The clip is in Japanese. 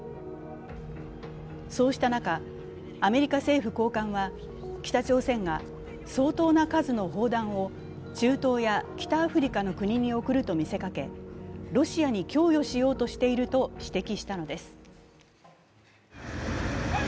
そうした中、アメリカ政府高官は、北朝鮮が相当な数の砲弾を中東や北アフリカの国に送ると見せかけ、ロシアに供与しようとしていると指摘したのです。